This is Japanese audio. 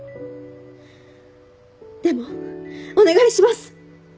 でもお願いします。